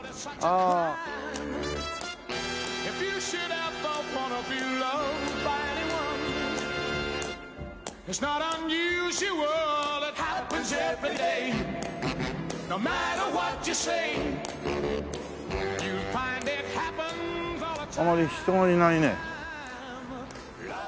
あまり人がいないね。